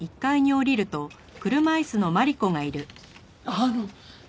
あの！